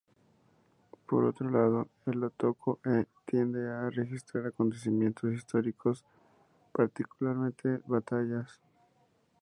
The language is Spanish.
Por otro lado, el "Otoko-e" tiende a registrar acontecimientos históricos, particularmente batallas.